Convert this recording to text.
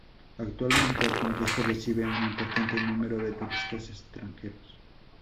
Actualmente el complejo recibe un importante número de turistas extranjeros.